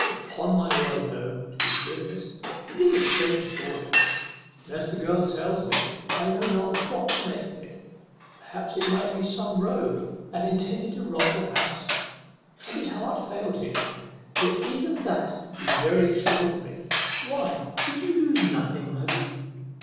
Upon my word, though, to be serious, it is a strange story, and, as the girl tells it, I know not what to make of it. Perhaps it might be some rogue that intended to rob the house, and his heart failed him; yet even that would be very extraordinary. What, did you lose nothing, madam?"